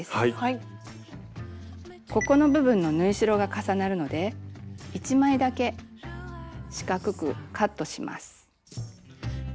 ここの部分の縫い代が重なるので１枚だけ四角くカットします。